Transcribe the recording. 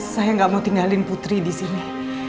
saya gak mau tinggalin putri disini